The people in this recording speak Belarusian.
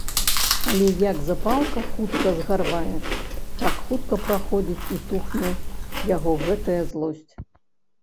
Але як запалка хутка згарвае, так хутка праходзіць і тухне яго гэтая злосць.